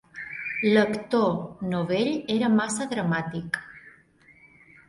L'actor novell era massa dramàtic.